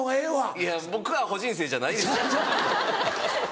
いや僕アホ人生じゃないですよ。